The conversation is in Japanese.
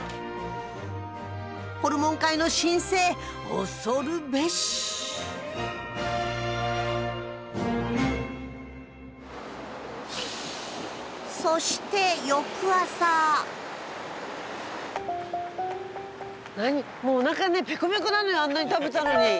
ホルモン界の新星恐るべしそして翌朝もうおなかねペコペコなのよあんなに食べたのに。